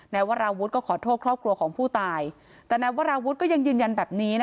วราวุฒิก็ขอโทษครอบครัวของผู้ตายแต่นายวราวุฒิก็ยังยืนยันแบบนี้นะคะ